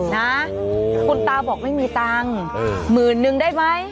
นะคุณตาบอกไม่มีตังค์หมื่นนึงได้ไหม